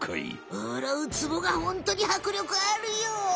あらウツボがホントにはくりょくあるよ！